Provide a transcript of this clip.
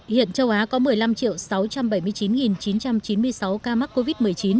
hiện châu á có một mươi năm sáu trăm bảy mươi chín chín trăm chín mươi sáu ca mắc covid một mươi chín